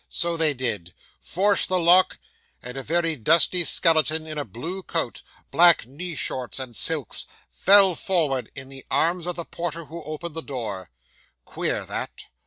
So they did. Forced the lock; and a very dusty skeleton in a blue coat, black knee shorts, and silks, fell forward in the arms of the porter who opened the door. Queer, that.